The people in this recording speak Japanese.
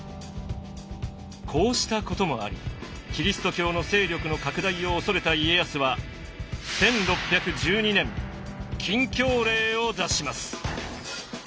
こうしたこともありキリスト教の勢力の拡大を恐れた家康は１６１２年禁教令を出します。